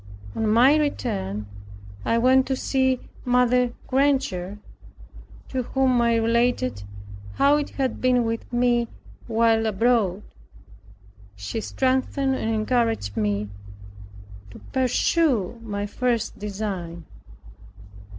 On my return, I went to see Mrs. Granger, to whom I related how it had been with me while abroad. She strengthened and encouraged me to pursue my first design.